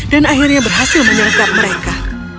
dan akhirnya berhasil menyergap mereka